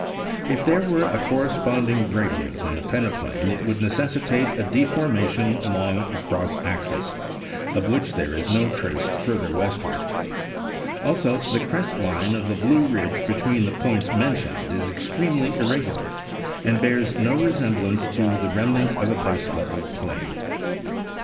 If there were a corresponding gradient in the peneplain it would necessitate a deformation along a cross axis, of which there is no trace further westward ; also the crest line of the Blue ridge between the points mentioned is extremely irregular and bears no resemblance to the remnant of a baseleveled plain.